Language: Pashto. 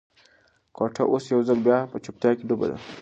کوټه اوس یو ځل بیا په چوپتیا کې ډوبه ده.